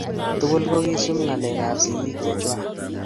tugul ko kiisub ngalek ab sigik chechwak